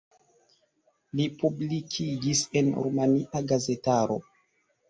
Li publikigis en rumania gazetaro.